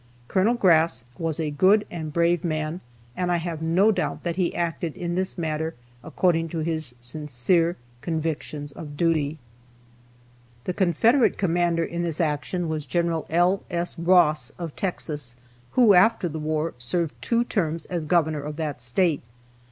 Col. Grass was a good and brave man, and I have no doubt that he acted in this matter according to his sincere convictions of duty. The Confederate commander in this action was Gen. L. S. Ross of Texas, who, after the war, served two terms as governor of that State.